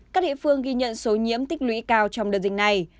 các địa phương ghi nhận số nhiễm tích lũy cao trong đợt dịch này